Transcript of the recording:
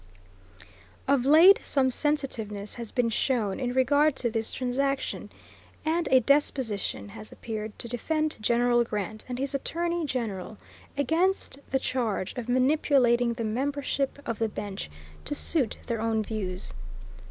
Of late some sensitiveness has been shown in regard to this transaction, and a disposition has appeared to defend General Grant and his Attorney General against the charge of manipulating the membership of the bench to suit their own views.